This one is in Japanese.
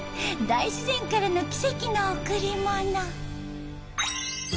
大自然からの奇跡の贈り物。